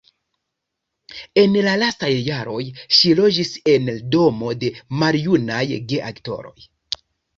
En la lastaj jaroj ŝi loĝis en domo de maljunaj geaktoroj.